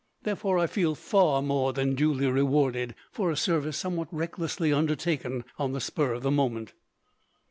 Therefore, I feel far more than duly rewarded, for a service somewhat recklessly undertaken on the spur of the moment."